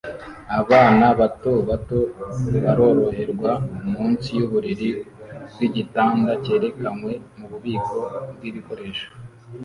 Abana bato bato baroroherwa munsi yuburiri bwigitanda cyerekanwe mububiko bwibikoresho